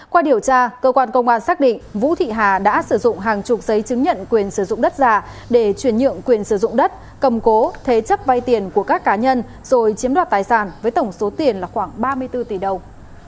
qua điều tra cơ quan công an xác định vũ thị hà đã sử dụng hàng chục giấy chứng nhận quyền sử dụng đất giả để chuyển nhượng quyền sử dụng đất cầm cố thế chấp vay tiền của các cá nhân rồi chiếm đoạt tài sản với tổng số tiền là khoảng ba mươi bốn tỷ đồng